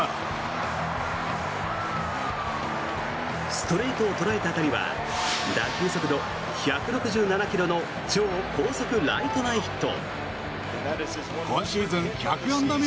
ストレートを捉えた当たりは打球速度１６７ｋｍの超高速ライト前ヒット。